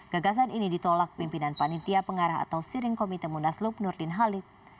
gegasan ini ditolak pimpinan panitia pengarah atau steering komite munaslub nurdin halid